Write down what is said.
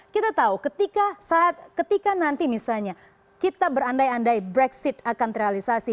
kita tahu ketika nanti misalnya kita berandai andai brexit akan terrealisasi